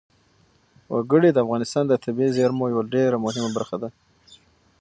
وګړي د افغانستان د طبیعي زیرمو یوه ډېره مهمه برخه ده.